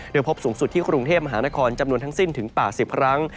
โดยพบสูงสุดที่กรุงเทพมหานครจำนวนทั้งสิ้นถึง๘๐ครั้ง